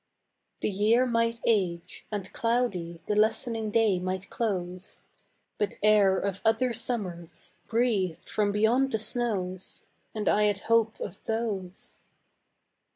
The year might age, and cloudy The lessening day might close, But air of other summers Breathed from beyond the snows, And I had hope of those.